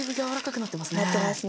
なってますね。